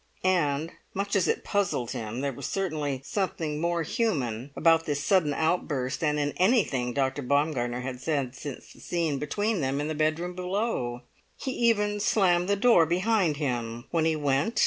And, much as it puzzled him, there was certainly something more human about this sudden outburst than in anything Dr. Baumgartner had said since the scene between them in the bedroom below. He even slammed the door behind him when he went.